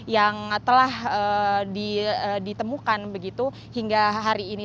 yang telah ditemukan begitu hingga hari ini